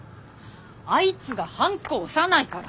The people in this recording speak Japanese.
あいつがハンコ押さないから。